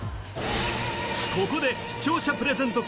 ここで視聴者プレゼント